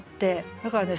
だからね